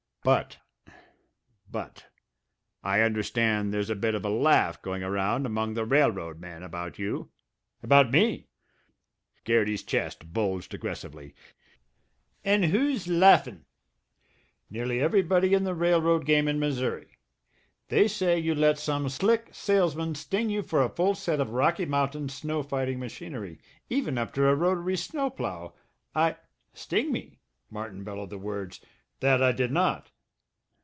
But but I understand there's a bit of a laugh going around among the railroad men about you." "About me?" Garrity's chest bulged aggressively. "An' who's laughin?" "Nearly everybody in the railroad game in Missouri. They say you let some slick salesman sting you for a full set of Rocky Mountain snow fighting machinery, even up to a rotary snow plough. I " "Sting me?" Martin bellowed the words. "That I did not!"